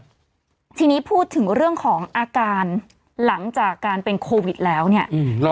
ทีนี้พูดถึงเรื่องของอาการหลังจากการเป็นโควิดแล้วเนี่ยอืม